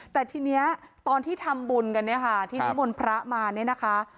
แต่ทีนี้ตอนที่ทำบุญกันเนี่ยค่ะที่นิมนต์พระมาเนี่ยนะคะ